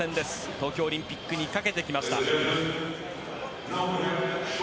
東京オリンピックにかけてきました。